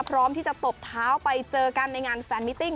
พร้อมที่จะตบเท้าไปเจอกันในงานแฟนมิติ้ง